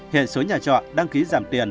hiện số nhà trọ đăng ký giảm tiền